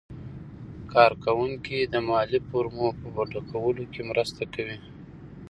کارکوونکي د مالي فورمو په ډکولو کې مرسته کوي.